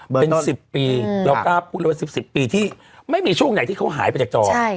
เป็นสิบปีเราก็พูดว่าสิบปีที่ไม่มีช่วงไหนที่เขาหายไปจากจอใช่